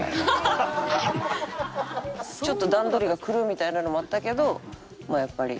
ちょっと段取りが狂うみたいなのもあったけどまあやっぱり。